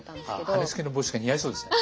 羽根つきの帽子が似合いそうですよね。